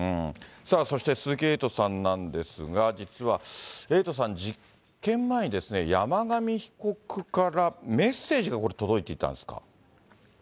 さあそして鈴木エイトさんなんですが、実はエイトさん、事件前に山上被告からメッセージがこれ、届いていたんですか。